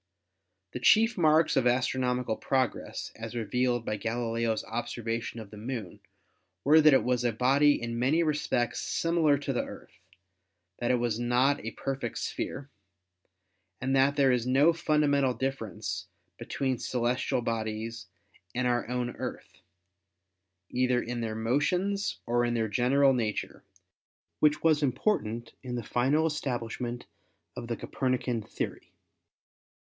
The chief marks of astronomical progress as revealed by Galileo's observation of the Moon were that it was a body in many respects similar to the Earth, that it was not a perfect sphere, and that there is no fundamental difference be tween celestial bodies and our own Earth, either in their motions or in their general nature, which was important in the final establishment of the Copernican theory.